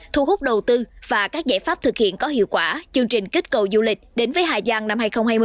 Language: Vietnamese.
thu hút đầu tư và các giải pháp thực hiện có hiệu quả chương trình kích cầu du lịch đến với hà giang năm hai nghìn hai mươi